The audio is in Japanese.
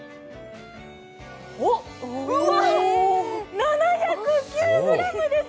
うわっ、７０９ｇです。